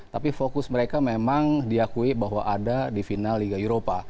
tapi fokus mereka memang diakui bahwa ada di final liga eropa